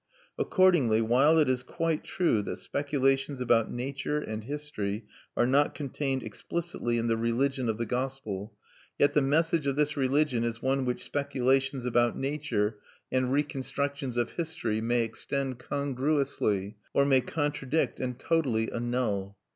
Accordingly, while it is quite true that speculations about nature and history are not contained explicitly in the religion of the gospel, yet the message of this religion is one which speculations about nature and reconstructions of history may extend congruously, or may contradict and totally annul.